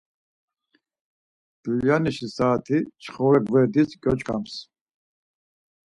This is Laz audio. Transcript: Dulyanişi, saat̆i çxoro gverdis gyoç̌ǩams.